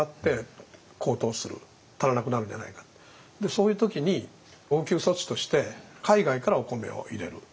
そういう時に応急措置として海外からお米を入れる。